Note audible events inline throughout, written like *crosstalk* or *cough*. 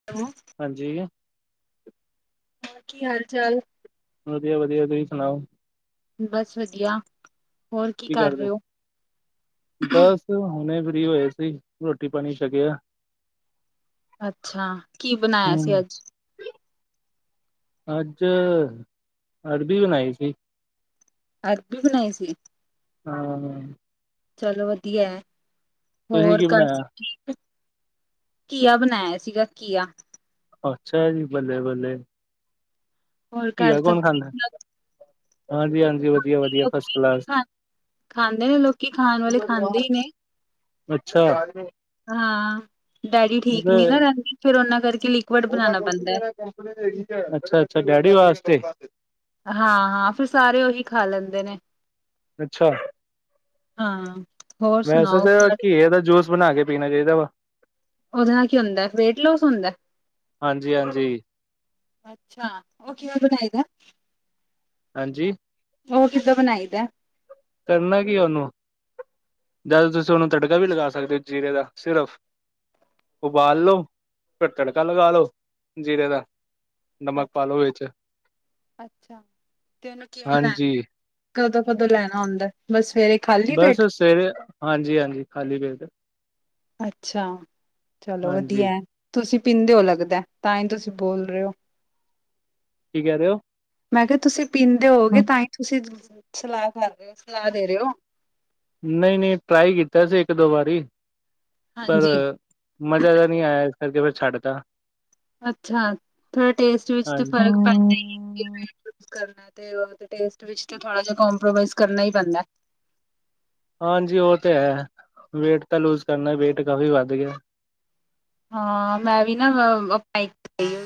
*inaudible* ਹਾਂਜੀ? ਕੀ ਹਾਲ ਚਾਲ? ਵਦੀਆ-ਵਦੀਆ ਤੁਸੀਂ ਸੁਣਾਓ? ਬਸ ਵਦੀਆ, ਹੋਰ ਕੀ ਕਰ ਰਏ ਓ? ਬਸ ਹੁਣੇ ਫ੍ਰੀ ਹੋਏ ਸੀ, ਰੋਟੀ ਪਾਣੀ ਸ਼ਕਿਆ। ਅੱਛਾ, ਕੀ ਬਣਾਇਆ ਹੂੰ, ਸੀ ਅੱਜ? ਅੱਜ, ਅਰਬੀ ਬਣਾਈ ਸੀ। ਅਰਬੀ ਬਣਾਈ ਸੀ? ਹਾਂ। ਚਲੋ ਵਦੀਆ ਐ ਤੁਸੀਂ ਹੋਰ ਕੀ ਘਰ ਬਣਾਇਆ? ਸਭ ਠੀਕ? ਘੀਆ ਬਣਾਇਆ ਸੀਗਾ ਘੀਆ। ਅੱਛਾ ਜੀ, ਬੱਲੇ-ਬੱਲੇ। ਹੋਰ ਘਰ ਘੀਆ ਸਭ ਕੌਣ ਖਾਂਦਾ ਐ, ਹਾਂਜੀ-ਹਾਂਜੀ। ਵਦੀਆ ਵਦੀਆ, ਫਸਟ ਕਲਾਸ। ਖਾ ਖਾਂਦੇ ਨੇ ਲੋਕੀ, ਖਾਣ ਵਾਲੇ ਖਾਂਦੇ ਹੀ ਨੇ, ਅੱਛਾ। ਹਾਂ ਡੈਡੀ ਠੀਕ ਨੀ ਨਾ ਰੈਂਦੀ ਫੇਰ ਓਨਾਂ ਕਰਕੇ ਲਿ ਅੱਛਾ-ਅੱਛਾ, ਡੈਡੀ ਵਾਸਤੇ। ਹਾਂ-ਹਾਂ ਫਿਰ ਸਾਰੇ ਓਹੀ ਖਾ ਲੈਂਦੇ ਨੇ। ਅੱਛਾ। ਹਾਂ। ਹੋਰ ਵੈਸੇ ਸੁਣਾਓ, ਤਾਂ ਆ ਘੀਏ ਦਾ ਜੂਸ ਬਣਾ ਕੇ ਪੀਣਾ ਚਾਈਦਾ ਵਾ। ਓਦੇ ਨਾਲ ਕੀ ਹੁੰਦਾ ਵੇਟ ਲੂਸ ਹੁੰਦਾ ਐ। ਹਾਂਜੀ-ਹਾਂਜੀ। ਅੱਛਾ, ਓ ਕਿਵੇਂ ਬਣਾਈ ਦਾ? ਹੈਂਜੀ? ਓ ਕਿੱਦਾਂ ਬਣਾਈਦੈ? ਕਰਨਾ ਕੀ ਐ ਓਨੂੰ ਜਾ ਤਾਂ ਤੁਸੀਂ ਓਨੂੰ ਤੜਕਾ ਵੀ ਲਗਾ ਸਕਦੇ ਓ ਜੀਰੇ ਦਾ, ਸਿਰਫ਼। ਉਬਾਲ ਲੋ, ਫਿਰ ਤੜਕਾ ਲਗਾ ਲੋ, ਜੀਰੇ ਦਾ। ਨਮਕ ਪਾਲੋ ਵਿੱਚ, ਅੱਛਾ ਤੇ ਉਹਨੂੰ ਕਿਵੇਂ ਲੈਣਾ ਹਾਂਜੀ। ਕਦੋਂ ਕਦੋਂ ਲੈਣਾ ਹੋਂਦਾ, ਬਸ ਸਵੇਰੇ। ਖਾਲੀ ਬਸ ਪੇਟ ਸਵੇਰੇ ਹਾਂਜੀ ਹਾਂਜੀ ਖਾਲੀ ਪੇਟ। ਅੱਛਾ ਚਲੋ ਹਾਂਜੀ ਵਧੀਆ ਹੈ ਤੁਸੀਂ ਪੀਂਦੇ ਹੋ ਲੱਗਦਾ ਤਾਂ ਹੀ ਤੁਸੀਂ ਬੋਲ ਰਹੇ ਹੋ ਕੀ ਕਹਿ ਰਹੇ ਹੋ। ਮੈਂ ਕਿਹਾ ਤੁਸੀਂ ਪੀਂਦੇ ਹੋਗੇ ਤਾਂ ਹੀ ਤੁਸੀਂ ਸਲਾਹ ਕਰ ਰਹੇ ਹੋ ਸਲਾਹ ਦੇ ਰਹੇ ਹੋ। ਨਈ ਨਈ ਟਰਾਈ ਕੀਤਾ ਸੀ ਇੱਕ ਦੋ ਵਾਰੀ ਪਰ ਹਾਂਜੀ ਰ ਮਜ਼ਾ ਜਾ ਨੀ ਆਇਆ ਇਸ ਕਰਕੇ ਫੇਰ ਛੱਡਤਾ। ਅੱਛਾ, ਥੋੜਾ ਟੇਸਟ ਵਿੱਚ ਤੇ ਹਾਂਜੀ ਫ਼ਰਕ ਪੈਂਦਾ ਈ ਏ। ਜੇ ਵੇਟ ਲੁਜ਼ ਕਰਨਾ ਐ, ਤੇ ਟੇਸਟ ਵਿੱਚ ਤੇ ਥੋੜਾ ਜਿਹਾ ਕੋਪਰੋਮਾਈਜ ਕਰਨਾ ਹੀ ਪੈਂਦਾ। ਹਾਂਜੀ ਓਹ ਤੇ ਹੈ, ਵੇਟ ਤਾ ਲੂਜ ਕਰਨਾ ਵੇਟ ਕਾਫ਼ੀ ਵਧ ਗਿਆ। ਹਾਂ ਮੈਂ ਵੀ ਨਾ ਅ ਅ *unintelligible*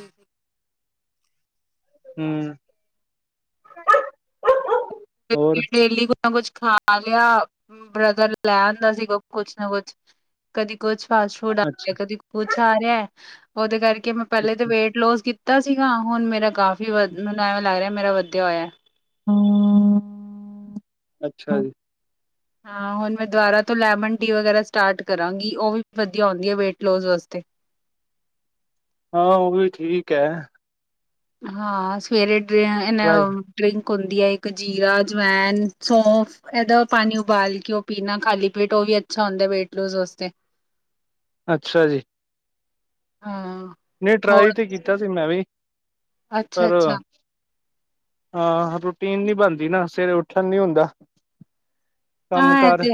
ਹੂ *unintelligible* ਡੇਲੀ ਕੁ ਨਾ ਕੁਛ ਖਾ ਲਿਆ, ਬ੍ਰਦਰ ਲੈ ਆਦਾ ਸੀਗਾ ਕੁਛ ਨਾ ਕੁਛ। ਕਦੀ ਕੁਛ ਫਾਸਟ ਫੂਡ ਆ ਰਹਿ ਆ, ਅੱਛਾ ਕਦੀ ਕੁਛ ਆ ਰਿਹਾ ਉਹਦੇ ਕਰਕੇ ਮੈਂ ਪਹਿਲੇ ਤੇ ਅੱਛਾ ਵੇਟ ਲੋਸ ਕੀਤਾ ਸੀਗਾ, ਹੁਣ ਮੇਰਾ ਕਾਫ਼ੀ ਵਧ ਮੈਨੂੰ ਐਵੇਂ ਲਗ ਰਿਹਾ ਮੇਰਾ ਵਧਿਆ ਹੋਇਆ। ਹੂ, ਅੱਛਾ ਜੀ। ਹਾਂ ਹੁਣ ਮੈਂ ਦੁਬਾਰਾ ਤੋਂ ਲੈਮਨ ਟੀ ਵਗੈਰਾ ਸਟਾਰਟ ਕਰਾਂਗੀ, ਉਹ ਵੀ ਵਧੀਆ ਹੁੰਦੀ ਐ ਵੇਟ ਲੋਜ ਵਾਸਤੇ। ਹਾਂ ਉਹ ਵੀ ਠੀਕ ਐ। ਹਾਂ ਸਵੇਰੇ ਡਰੈ ਟਰਾਈ *unintelligible* ਡਰਿੰਕ ਹੁੰਦੀ ਹੈ ਇੱਕ ਜੀਰਾ, ਜਵੈਨ, ਸੌਂਫ ਏਦਾ ਪਾਣੀ ਉਬਾਲ ਕੇ ਉਹ ਪੀਣਾ ਖਾਲੀ ਪੇਟ, ਉਹ ਵੀ ਅੱਛਾ ਹੁੰਦਾ ਏ ਵੇਟ ਲੋਸ ਵਾਸਤੇ। ਅੱਛਾ ਜੀ। ਹਾਂ। ਨਈ ਹੋਰ ਟਰਾਈ ਤੇ ਕੀਤਾ ਸੀ ਮੈਂ ਵੀ, ਅੱਛਾ ਪਰ ਅੱਛਾ ਹਾਂ ਅ ਰੂਟੀਨ ਨੀ ਬਣਦੀ ਨਾ, ਸਵੇਰੇ ਉੱਠਣ ਨੀ ਹੁੰਦਾ। ਕੰਮ ਹਾਂ ਇਹ ਕਾਰ ਤੇ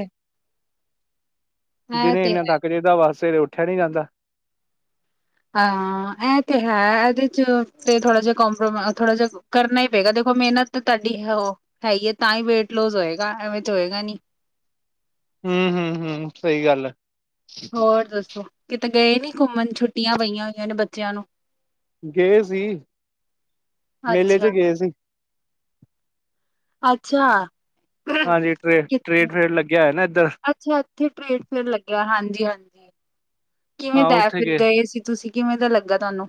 ਹੈ ਇਹ ਦਿਨੇ ਤੇ ਇੰਨਾ ਥੱਕ ਜਾਈਦਾ, ਬਸ ਸਵੇਰੇ ਉੱਠਿਆ ਨੀ ਜਾਂਦਾ। ਹਾਂ ਐਹ ਤੇ ਹੈ ਇਹਦੇ 'ਚ ਫੇਰ ਥੋੜ੍ਹਾ ਜਿਹਾ ਕੰਪਰੋਮ ਥੋੜ੍ਹਾ ਜਿਹਾ ਕਰਨਾ ਹੀ ਪਏਗਾ, ਦੇਖੋ ਮਿਹਨਤ ਤਾ ਤੁਹਾਡੀ ਹੋ ਹੈ ਹੀ ਏ ਤਾਂ ਹੀ ਵੇਟ ਲੋਸ ਹੋਏਗਾ ਐਵੇਂ ਤੇ ਹੋਏਗਾ ਨੀ। ਹੂ ਹੂ ਹੂ ਸਹੀ ਗੱਲ ਐ। ਹੋਰ ਦੱਸੋ ਕਿਤੇ ਗਏ ਨੀ ਘੁੰਮਣ? ਛੁੱਟੀਆਂ ਪਈਆਂ ਹੋਈਆਂ ਨੇ ਬੱਚਿਆਂ ਨੂੰ। ਗਏ ਸੀ, ਮੇਲੇ ਅੱਛਾ ਤੇ ਗਏ ਸੀ। ਅੱਛਾ। ਹਾਂਜੀ ਜੀ ਕਿੱਥੇ? ਟਰੇਡ ਫੇਅਡ ਲੱਗਿਆ ਐ ਨਾ ਏਧਰ ਅੱਛਾ ਇੱਥੇ ਟਰੇਡ ਫੇਅਰ ਲੱਗਿਆ ਹਾਂਜੀ ਹਾਂਜੀ ਕਿਵੇਂ ਹਾਂ ਦਾ ਐ, ਉੱਥੇ ਫਿਰ ਗਏ ਸੀ ਤੁਸੀਂ ਕਿਵੇਂ ਦਾ ਲੱਗਾ ਤੁਹਾਨੂੰ?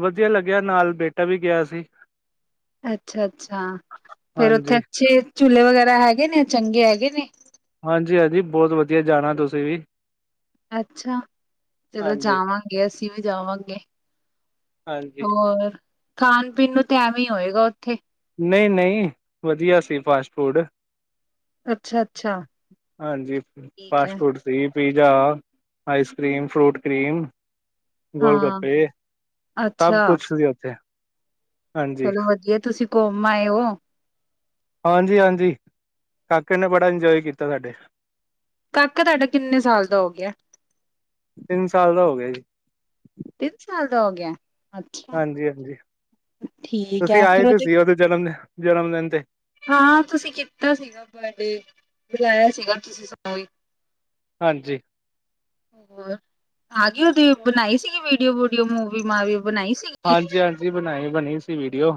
ਵਧੀਆ ਲੱਗਿਆ ਨਾਲ ਬੇਟਾ ਵੀ ਗਿਆ ਸੀ। ਅੱਛਾ-ਅੱਛਾ, ਫੇਰ ਉੱਥੇ ਹਾਂਜੀ ਅੱਛੇ ਝੂਲੇ ਵਗੈਰਾ ਹੈਗੇ ਨੇ ਚੰਗੇ ਹੈਗੇ ਨੇ। ਹਾਂਜੀ ਹਾਂਜੀ ਬਹੁਤ ਵਧੀਆ ਜਾਣਾ ਤੁਸੀਂ ਵੀ। ਅੱਛਾ, ਚਲੋ ਹਾਂਜੀ ਜਾਵਾਂਗੇ ਅਸੀਂ ਵੀ ਜਾਵਾਂਗੇ। ਹਾਂਜੀ ਹੋਰ, ਖਾਣ-ਪੀਣ ਨੂੰ ਤੇ ਐਵੇਂ ਹੀ ਹੋਏਗਾ ਉੱਥੇ। ਨਹੀਂ ਨਹੀਂ, ਵਧੀਆ ਸੀ ਫਾਸਟ ਫੂਡ। ਅੱਛਾ ਅੱਛਾ ਹਾਂਜੀ, ਠੀਕ ਹੈ। Fast food. ਸੀ pizza, ice cream, fruit cream ਹਾਂ। ਗੋਲ-ਗੱਪੇ ਸਭ ਅੱਛਾ ਕੁਛ ਸੀ ਉੱਥੇ। ਹਾਂਜੀ ਚਲੋ ਵਧੀਆ, ਤੁਸੀਂ ਕੂਮ ਆਏ ਓ। ਹਾਂਜੀ-ਹਾਂਜੀ। ਕਾਕੇ ਨੇ ਬੜਾ ਇੰਜੋਇ ਕੀਤਾ ਸਾਡੇ। ਕਾਕਾ ਥਾਡਾ ਕਿੰਨੇ ਸਾਲ ਦਾ ਹੋ ਗਿਆ? ਤਿੰਨ ਸਾਲ ਦਾ ਹੋ ਗਿਆ ਜੀ। ਤਿੰਨ ਸਾਲ ਦਾ ਹੋ ਗਿਆ। ਅੱਛਾ ਹਾਂਜੀ-ਹਾਂਜੀ। ਠੀਕ ਤੁਸੀਂ ਹੈ ਆਏ ਫਿਰ ਤੇ ਸੀ ਉਹਦੇ ਜਨਮ ਦਿ ਜਨਮ ਦਿਨ ਤੇ। ਹਾਂ ਤੁਸੀਂ ਕੀਤਾ ਸੀਗਾ ਬਡੇ ਬਲਾਇਆ ਸੀਗਾ ਤੁਸੀਂ ਸਾਨੂੰ। ਹਾਂਜੀ। ਵ ਆ ਗੀ ਉਹਦੀ ਬਣਾਈ ਸੀਗੀ ਵੀਡੀਓ-ਵੂਡੀਓ, ਮੂਵੀ-ਮਾਵੀ ਬਣਾਈ ਸੀਗੀ। ਹਾਂਜੀ-ਹਾਂਜੀ ਬਣਾਈ ਬਣੀ ਸੀ ਵੀਡੀਓ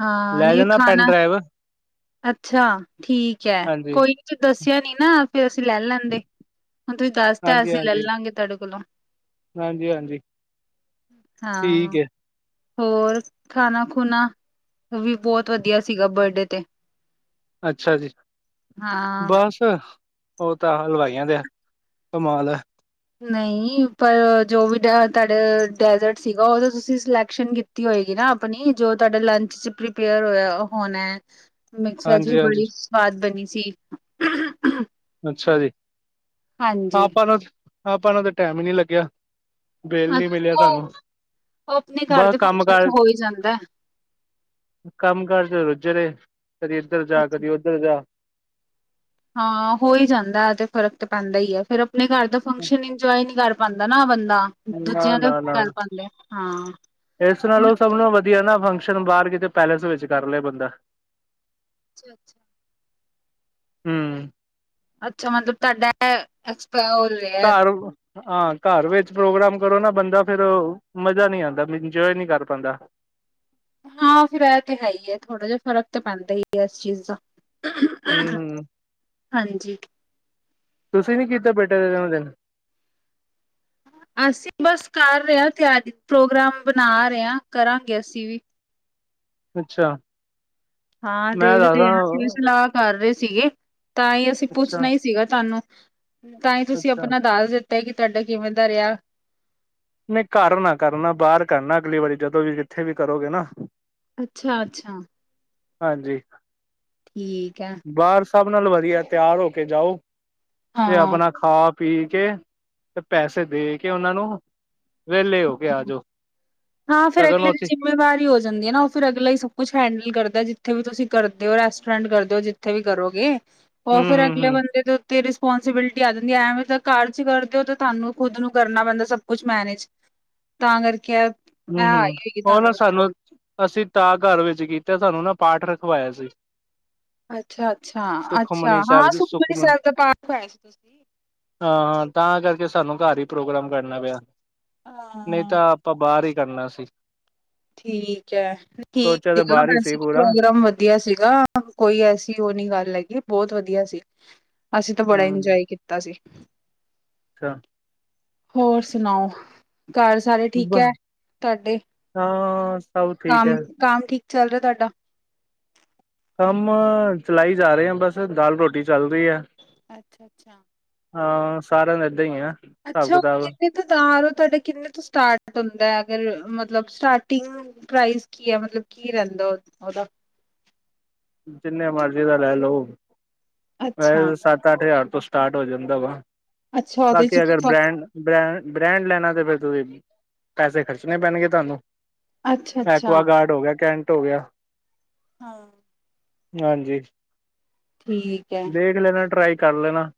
ਹਾਂ ਲੈ ਨਹੀਂ ਜਾਣਾ ਪੈਨ ਖਾਣਾ ਡਰਾਈਵ ਅੱਛਾ ਠੀਕ ਹੈ ਹਾਂਜੀ ਕੋਈ ਨ ਦੱਸਿਆ ਨੀ, ਨਾ ਫਿਰ ਅਸੀਂ ਲੈ ਲੈਂਦੇ ਹੁਣ ਤੁਸੀਂ ਦੱਸਦਾ। ਅਸੀਂ ਲੈ, ਲਾਂਗੇ ਤੁਹਾਡੇ ਕੋਲੋਂ ਹਾਂਜੀ-ਹਾਂਜੀ ਹਾਂ ਠੀਕ ਹੈ ਹੋਰ ਖਾਣਾ-ਖੂਣਾ ਵੀ ਬਹੁਤ ਵਧੀਆ ਸੀਗਾ ਬਰਡੇ ਤੇ ਅੱਛਾ ਜੀ, ਹਾਂ ਬਸ ਉਹ ਤਾਂ, ਹਲਵਾਈਆਂ ਦੇ ਕਮਾਲ ਨਹੀਂ ਪਰ ਜੋ, ਵੀ ਡ ਤੁਹਾਡੇ ਡੈਜ਼ਰਟ ਸੀਗਾ। ਉਹਦਾ ਤੁਸੀਂ ਸਿਲੈਕਸ਼ਨ ਹੋਏਗੀ ਨਾ ਆਪਣੀ ਜੋ ਤੁਹਾਡਾ ਲੰਚ ਚ, ਪ੍ਰੀਪੇਅਰ ਹੋਇਆ ਹੋਣਾ ਹੈ ਮਿਕਸਵੈਜ ਵੀ ਹਾਂਜੀ ਹਾਂਜੀ ਬੜੀ ਸਵਾਦ ਬਣੀ ਸੀ ਅੱਛਾ ਜੀ ਹਾਂਜੀ ਆਪਾਂ ਨੂੰ, ਆਪਾਂ ਨੂੰ ਤਾਂ, ਟਾਈਮ ਹੀ ਨਹੀਂ ਲੱਗਿਆ ਬੈਲ ਨੀ ਮਿਲਿਆ ਉਹ ਸਾਨੂੰ ਆਪਣੇ ਘਰ ਬਸ ਦੇ ਕੰਮ, ਫੰਕਸ਼ਨ ਕਾਰ ਚ ਹੋ ਹੀ ਜਾਂਦਾ ਕੰਮ, ਕਾਰ ਚ ਰੁੱਝ ਰਹੇ ਕਦੀ ਇੱਧਰ ਜਾ ਕਦੀ ਉੱਧਰ ਜਾ ਹਾਂ ਹੋ, ਹੀ ਜਾਂਦਾ ਤੇ ਫ਼ਰਕ ਤਾਂ ਪੈਂਦਾ ਹੀ ਹੈ। ਫੇਰ ਆਪਣੇ ਘਰ ਦਾ ਫੰਕਸ਼ਨ ਇੰਜੋਏ ਨਹੀਂ ਕਰ ਪਾਉਂਦਾ ਨਾ ਬੰਦਾ ਨਾ ਦੂਜਿਆਂ ਦੇ ਨਾ ਨਾ ਘਰ ਪਾਦੇ ਇਸ ਨਾਲ ਉਹ ਸਭ ਨੂੰ ਵਧੀਆ ਨਾ ਫੰਕਸ਼ਨ ਬਾਹਰ ਕਿਤੇ ਪੈਲੇਸ ਵਿੱਚ ਕਰ ਲਿਆ ਬੰਦਾ ਅੱਛਾ-ਅੱਛਾ ਹੂੰ ਅੱਛਾ ਮਤਲਬ ਤੁਹਾਡਾ ਐਕਸਪਾਇਰ ਘਰ, ਉ ਹਾਂ ਘਰ ਵਿੱਚ ਪ੍ਰੋਗਰਾਮ ਕਰੋ ਨਾ ਬੰਦਾ ਫੇਰ ਮਜ਼ਾ ਨਹੀਂ ਆਉਂਦਾ ਇੰਜੋਏ ਨਹੀਂ ਕਰ ਪਾਉਂਦਾ ਹਾਂ ਫਿਰ ਇਹ ਤੇ ਹੈ ਹੀ ਹੈ ਥੋੜ੍ਹਾ ਜਿਹਾ ਫ਼ਰਕ ਤਾਂ ਪੈਂਦਾ ਹੀ ਹੈ ਇਸ ਚੀਜ਼ ਦਾ ਹੁ ਹੁ ਹਾਂਜੀ ਤੁਸੀਂ ਨੀ ਕੀਤਾ ਬੇਟੇ। ਜਨਮ ਦਿਨ ਅਸੀਂ ਬਸ ਕਰ ਰਹੇ ਹਾਂ ਤਿਆਰੀ ਪ੍ਰੋਗਰਾਮ ਬਣਾ ਰਹੇ ਹ ਕਰਾਂਗੇ ਅਸੀਂ ਵੀ ਅੱਛਾ ਹਾਂ ਮੈਂ ਦੇਖਦੇ ਦੱਸਦਾ ਹ ਕਿ ਸਲਾ ਕਰ ਰਹੇ ਸੀਗੇ ਤਾਂ ਹੀ ਅਸੀਂ ਅੱਛਾ ਪੁੱਛਣਾ ਹੀ ਸੀਗਾ ਤੁਹਾਨੂੰ ਤਾਂ ਹੀ ਤੁਸੀਂ ਅੱਛਾ ਆਪਣਾ ਦਸ ਦਿੱਤਾ ਪਤਾ ਕਿ ਤੁਹਾਡਾ ਕਿਵੇਂ ਦਾ ਰਿਹਾ ਨਹੀਂ ਘਰ ਕਰਨਾ ਬਾਹਰ ਕਰਨਾ ਅਗਲੀ ਵਾਰੀ ਜਦੋਂ ਵੀ ਕਿੱਥੇ ਵੀ ਕਰੋਗੇ ਨਾ ਅੱਛਾ-ਅੱਛਾ ਹਾਂਜੀ ਠੀਕ ਆ ਬਾਹਰ ਸਭ ਨਾਲ ਵਧੀਆ ਤਿਆਰ ਹੋ ਕੇ ਜਾਓ ਤੇ ਹਾਂ ਆਪਣਾ ਖਾ ਪੀ ਕੇ ਤੇ ਪੈਸੇ ਦੇ ਕੇ ਉਹਨਾਂ ਨੂੰ ਵੇਲੇ ਹੋ ਕੇ ਆਜੋ। ਹਾਂ ਫਿਰ ਅਗਲੇ *unintelligible* ਜ਼ਿੰਮੇਵਾਰੀ ਹੋ ਜਾਂਦੀ ਐ ਨਾ ਓ ਫਿਰ ਅਗਲਾ ਈ ਸਭ ਕੁੱਛ ਹੈਂਡਲ ਕਰਦਾ ਜਿੱਥੇ ਵੀ ਤੁਸੀਂ ਕਰਦੇ ਓ ਰੈਸਟੋਰੈਂਟ ਕਰਦੇ ਓ ਜਿੱ ਥੇ ਵੀ ਕਰੋਗੇ ਓ ਹੂੰ ਫਿਰ ਹੂੰ ਅਗਲੇ ਹੂੰ ਬੰਦੇ ਤੋਂ ਤੇ ਰਿਸਪੋਂਸੀਬਿਲਿਟੀ ਆ ਜਾਂਦੀ ਐਵੇਂ ਤਾਂ ਘਰ ਚ ਕਰਦੇ ਓ ਤੇ ਤੁਹਾਨੂੰ ਖੁਦ ਨੂੰ ਕਰਨਾ ਪੈਂਦਾ ਸਭ ਕੁਛ ਮੈਨੇਜ ਤਾਂ ਕਰਕੇ ਐ ਹੂੰ-ਹੂੰ ਓ ਨਾ ਸਾਨੂੰ ਅਸੀਂ ਤਾ ਘਰ ਵਿੱਚ ਕੀਤਾ ਸਾਨੂੰ ਨਾ ਪਾਠ ਰਖਵਾਇਆ ਸੀ। ਅੱਛਾ-ਅੱਛਾ-ਅੱਛਾ ਸੁਖਮਨੀ ਹਾਂ ਸਾਹਿਬ ਸੂਖਮਨੀ ਸੈਬ ਦਾ ਪਾਠ ਕਰਾਇਆ ਸੀ ਤੁਸੀ ਹਾਂ-ਹਾਂ ਤਾਂ ਕਰਕੇ ਸਾਨੂੰ ਘਰ ਈ ਪ੍ਰੋਗਰਾਮ ਕਰਨਾ ਪਿਆ ਨਈ ਹਾਂ ਤਾਂ ਆਪਾਂ ਬਾਰ ਈ ਕਰਨਾ ਸੀ। ਠੀਕ ਐ ਠੀਕ ਸੋਚਿਆ ਤਾਂ ਬਾਹਰ *unintelligible* ਹੀ ਸੀ ਵੈਸੇ ਵੀ ਪੂਰਾ ਪ੍ਰੋਗਰਾਮ ਵ ਧੀਆ ਸੀਗਾ ਕੋਈ ਐਸੀ ਓ ਨੀ ਗੱਲ ਹੈਗੀ ਬੋਤ ਵਧੀਆ ਸੀ। ਅਸੀਂ ਤਾਂ ਬੜਾ ਇੰਜੋਏ ਕੀਤਾ ਸੀ। ਛਾ ਹੋਰ ਸੁਣਾਓ ਘਰ ਸਾਰੇ ਠੀਕ ਐ ਤੁਹਾਡੇ? ਹਾਂ ਸਭ ਠੀਕ ਹੈ ਕਾਮ-ਕਾਮ ਠੀਕ ਚੱਲ ਰਿਆ ਤੁਹਾਡਾ? ਕੰਮ ਚਲਾਈ ਜਾ ਰਿਆ ਬਸ ਦਾਲ ਰੋਟੀ ਚੱਲ ਰੀਐ। ਅੱਛਾ-ਅੱਛਾ ਹਾਂ ਸਾਰਿਆਂ ਦਾ ਏਦਾਂ ਈ ਐ। ਅੱਛਾ ਕਿੰਨੇ ਤੋਂ *unintelligible* ਤੁਹਾਡਾ ਕਿੰਨੇ ਤੋਂ ਸਟਾਰਟ ਹੁੰਦੈ ਅਗਰ ਮਤਲਬ ਸਟਾਰਟਿੰਗ? ਪ੍ਰਾਈਜ਼ ਕੀ ਐ ਮਤਲਬ ਕੀ ਰੈਂਦਾ ਓਦਾ। ਜਿੰਨੇ ਮਰਜ਼ੀ ਦਾ ਲੈ ਲਓ ਅੱਛਾ *unintelligible* ਸੱਠ ਹਜ਼ਾਰ ਤੋਂ ਸਟਾਰਟ ਹੋ ਜਾਂਦਾ ਵਾ ਅੱਛਾ ਉਹਦੇ ਚ ਬਾਕੀ ਕੀ ਅਗਰ ਫਰਕ? ਬ੍ਰੈਂਡ ਬ੍ਰੈਂ ਬ੍ਰੈਂਡ ਲੈਣਾ ਤੇ ਫਿਰ ਤੁਂ ਪੈਸੇ ਖਰਚਣੇ ਪੈਣਗੇ ਤੁਹਾਨੂੰ। ਅੱਛਾ ਅੱਛਾ ਐਕੁਆਗਾਰਡ ਹੋ ਗਿਆ ਕੈਂਟ ਹੋ ਗਿਆ। ਹਾਂ। ਹਾਂਜੀ ਠੀਕ ਹੈ ਦੇਖ ਲੈਨਾ ਟਰਾਈ ਕਰ ਲੈਨਾ।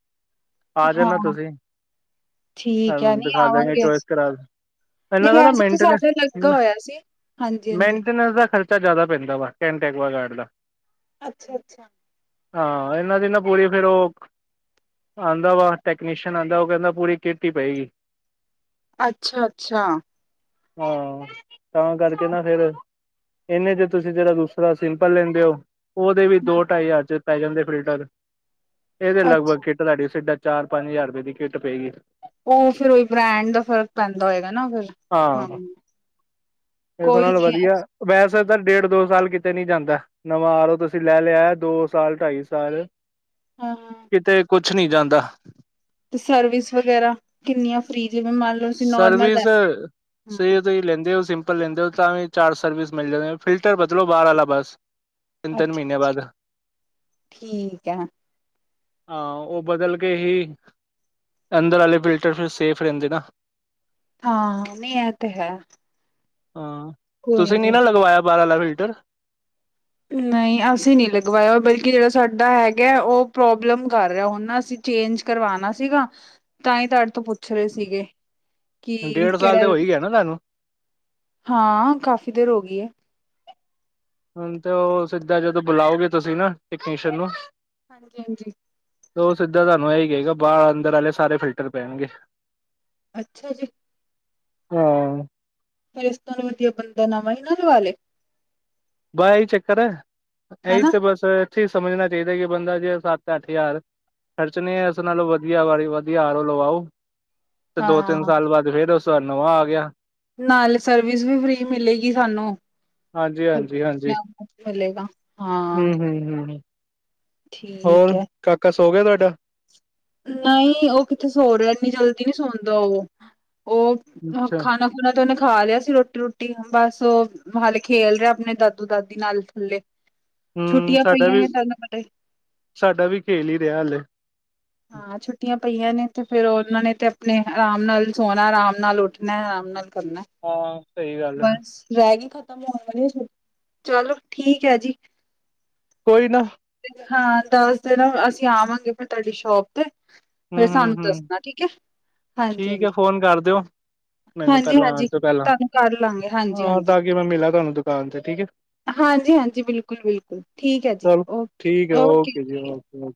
ਆ ਹਾਂ ਜਾਣਾ ਤੁਸੀਂ ਠੀਕ ਤਾਨੂੰ ਹੈ ਨੀ ਦਿਖਾਂ ਦਾਂਗੇ ਆਵਾਂਗੇ ਚੋਆਇਸ ਅਸੀ ਕਰਾ ਪੈਲਾਂ ਨਹੀਂ ਏਦਾ ਨਾ ਵੈਸੇ ਤਾਂ ਸਾਡਾ ਲੱਗਾ ਹੋਇਆ ਸੀ ਹਾਂਜੀ ਹਾਂਜੀ ਮੇਨਟਨੈਂਸ-ਮੇਨਟੇਨੈਂਸ ਦਾ ਖਰ ਚਾ ਜਾਦਾ ਪੈਂਦਾ ਵਾ ਕੈਨਟੈਕ ਵਾ ਗਾਰਡ ਦਾ। ਅੱਛਾ-ਅੱਛਾ ਹਾਂ ਏਨਾਂ ਦੇ ਨਾ ਪੂਰੀ ਫੇਰ ਓਕ ਆਂਦਾ ਵਾ ਟੈਕਨੀਸ਼ੀਅਨ ਆਂਦਾ ਓ ਕੈਂਦਾ ਪੂਰੀ ਕਿੱਟ ਈ ਪਏਗੀ। ਅੱਛਾ-ਅੱਛਾ ਹਾਂ ਤਾਂ ਕਰਕੇ ਨਾ ਫੇਰ ਏਨੇ ਜੇ ਤੁਸੀਂ ਜੇੜਾ ਦੂਸਰਾ ਸਿੰਪਲ ਲੈਂਦੇ ਓ ਓਦੇ ਵੀ ਦੋ-ਢਾਈ ਹਜ਼ਾਰ ਚ ਪੈ ਜਾਂਦੇ ਫਿਲਟਰ ਏਦੇ ਅੱਛਾ ਲਗਭਗ ਕੀ *unintelligible* ਸਿਦਾ ਚਾਰ-ਪੰਜ ਹਜ਼ਾਰ ਰੁਪਏ ਦੀ ਕਿੱਟ ਪਏਗੀ। ਓ ਫੇਰ ਓਈ ਬਰੇਡ ਦਾ ਫ਼ਰਕ ਪੈਂਦਾ ਹੋਏਗਾ ਨਾ ਓ ਫਿਰ ਹਾਂ। ਏਸ ਕੋਈ ਨਾਲੋਂ ਨੀ ਵਧੀਆ ਵੈਸੇ ਤਾਂ ਡੇਢ-ਦੋ ਸਾਲ ਕਿਤੇ ਨੀ ਜਾਂਦਾ ਨਵਾਂ ਆਰੋ ਤੁਸੀਂ ਲੈ ਲਿਆ ਦੋਸਾਲ, ਢਾਈ ਸਾਲ ਹਾਂ ਕਿਤੇ ਕੁਛ ਨੀ ਜਾਂਦਾ। ਤੇ ਸਰਵਿਸ ਵਗੈਰਾ ਕਿੰਨੀਆਂ ਫ੍ਰਰੀ ਜਿਵੇਂ ਮਨ ਸਰਵਿਸ ਸੇ ਤੁਸੀ ਲੈਂਦੇ ਓ ਸਿੰਪ ਪਲਿੰਦਰ ਥਾਂ ਵੀ ਚਾਰ ਸਰਵਿਸ ਮਿਲ ਜਾਂਦੀ ਫਿਲਟਰ ਬਦਲੋ ਬਾਰ ਵਾਲਾ ਬਸ। ਤਿੰਨ ਤਿੰਨ ਅੱਛਾ ਮੀਨੇ ਬਾਅਦ। ਠੀਕ ਹੈ ਹਾਂ ਓ ਬਦਲ ਕੇ ਹੀ ਅੰਦਰ ਆਲੇ ਫਿਲਟਰ ਫਿਰ ਸੇਫ ਰੈਂਦੇ ਨਾ। ਹਾਂ ਨਈ ਐ ਤੇ ਹੈ। ਹਾਂ ਕੋਈ ਤੁਸੀ ਨਈ ਨੀ ਨਾ ਲਗਵਾਇਆ ਬਾਰ ਆਲਾ ਫਿਲਟਰ? ਨਈ ਅਸੀ ਨਈ ਲਗਵਾਇਆ ਬਲਕਿ ਜਿੜਾ ਸਾਡਾ ਹੈਗਾ ਓ ਪ੍ਰੋਬਲਮ ਕਰ ਰਿਆ ਹੁਨ ਨਾ ਅਸੀ ਚੇਂਜ ਕਰਵਾਣਾ ਸੀਗਾ ਤਾਂ ਈ ਤਾਡੇ ਤੋ ਪੁੱਛ ਰਏ ਸੀਗੇ। ਕੀ, ਡੇਢ ਸਾਲ ਤੇ ਕੇੜਾ ਹੋ ਹੀ ਗਿਆ ਨਾ ਤੁਹਾਨੂੰ ਹਾਂ ਕਾਫ਼ੀ ਦੇਰ ਹੋ ਗੀ ਏ। ਹੁਣ ਤੇ ਓ ਸਿੱਧਾ ਜਦੋ ਬੁਲਾਓਗੇ ਤੁਸੀ ਨਾ ਇਕੇਸ਼ਨ ਨੂੰ। ਹਾਂਜੀ, ਹਾਂਜੀ ਤੋ ਸਿੱਧਾ ਤਾਨੂੰ ਐ ਈ ਕਏਗਾ ਬਾ ਅੰਦਰ ਆਲੇ ਸਾਰੇ ਫਿਲਟਰ ਪੈਣਗੇ। ਅੱਛਾ ਜੀ ਹਾਂ ਫੇਰ ਇਸ ਤਨ ਵਦੀਆ ਬੰਦਾ ਨਵਾਂ ਈ ਨਾ ਲਵਾ ਲੇ। ਬਾ ਐ ਈ ਚੱਕਰ ਐ ਐਈ ਹਨਾ ਤੇ ਬਸ ਏਥੇ ਈ ਸਮਝਨਾ ਚਾਈਦਾ ਕਿ ਬੰਦਾ ਜੇ ਸੱਤ, ਅੱਠ ਹਜ਼ਾਰ ਖਰਚਨੇ ਆ ਇਸ ਨਾਲੋ ਵਧੀਆ ਵਾਰੀ ਵਾਦੀ ਆਰ ਓ ਲਵਾਓ। ਤੇ ਦੋ ਹਾਂ ਤਿੰਨ ਸਾਲ ਬਾਅਦ ਫੇਰ ਉਸ ਵਾਰ ਨਵਾਂ ਆ ਗਿਆ। ਨਾਲ ਸਰਵਿਸ ਵੀ ਫ੍ਰੀ ਮਿਲੇਗੀ ਸਾਨੂੰ। ਹਾਂਜੀ ਹਾਂਜੀ ਫਲੇਗਾ ਹੁੰ ਹੁੰ ਹੁੰ ਠੀਕ ਹੋਰ ਕਾਕਾ ਸੋ ਗਿਆ ਤਾਡਾ? ਨਈ ਓ ਕਿੱਥੇ ਸੋ ਰਿਆ ਏਨੀ ਜਲਦੀ ਨੀ ਸੌਦਾ ਓ -ਓ ਅੱਛਾ ਖਾਨਾ ਨਾ ਤੇ ਓਨੇ ਖਾ ਲਿਆ ਸੀ ਰੋਟੀ-ਰੁੱਟੀ ਬਸ ਓ ਵਾਲ ਖੇਲ ਰਿਆ ਆਪਣੇ ਦਾਦੂ ਦਾਦੀ ਨਾਲ ਥੱਲੇ। ਹੁੰ ਛੁੱਟੀਆਂ ਸਾਡਾ ਪਈਆਂ ਹੋਈਆਂ ਤੁਹਾਨੂੰ ਪਤਾ ਵੀ-ਸਾਡਾ ਵੀ ਖੇਲ ਈ ਰਿਆ ਹਲੇ। ਹਾਂ ਛੁੱਟੀਆਂ ਪਈਆਂ ਨੇ ਤੇ ਫੇਰ ਓਨਾਂ ਨੇ ਤੇ ਆਪਨੇ ਆਰਾਮ ਨਾਲ ਈ ਸੋਣਾ, ਆਰਾਮ ਨਾਲ ਉੱਠਣਾ ਆਰਾਮ ਨਾਲ ਕਰਨਾ ਹਾਂ ਸਹੀ ਗੱਲ ਹੈ ਬਸ ਰੈ ਗੀ ਖਤਮ ਯਾ ਹੋਣ ਵਾਲੀ ਚਲੋ ਠੀਕ ਐ ਜੀ। ਕੋਈ ਨਾ। ਹਾਂ ਤਲ ਤੇ ਨਾ ਅਸੀ ਆਵਾਂਗੇ ਫੇਰ ਤਾਡੀ ਸ਼ੋਪ ਤੇ। ਫੇ ਹੂੰ ਹੂੰ ਸਾਨੂੰ ਹੂੰ ਦੱਸਣਾ ਠੀਕ ਐ ਹਾਂਜੀ ਠੀਕ ਐ ਫੋਨ ਕਰ ਦਿਓ। ਮੈਨੂੰ ਪਹਿਲਾਂ ਹਾਂਜੀ-ਹਾਂਜੀ ਆਉਣ ਤੋਂ ਪਹਿਲਾਂ ਤਾਨੂੰ ਕਰ ਲਾਂਗੇ ਹਾਂ ਹਾਂਜੀ-ਹਾਂਜੀ। ਤਾਂ ਕਿ ਮੈਂ ਮਿਲਾਂ ਤੁਹਾਨੂੰ ਦੁਕਾਨ ਤੇ ਠੀਕ ਹੈ ਹਾਂਜੀ-ਹਾਂਜੀ ਬਿਲਕੁਲ-ਬਿਲਕੁਲ ਠੀਕ ਐ ਜੀ ਚਲੋ ਓਕ ਠੀਕ ਐ ਓਕੇ ਜੀ ਓਕੇ-ਓਕੇ